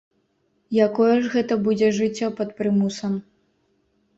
Якое ж гэта будзе жыццё пад прымусам?